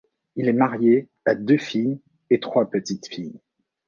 Il est marié, a deux filles et trois petites-filles.